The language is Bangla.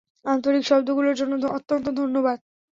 আন্তরিক শব্দগুলোর জন্য অত্যন্ত ধন্যবাদ।